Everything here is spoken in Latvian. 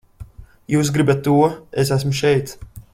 Jūs gribat to, es esmu šeit!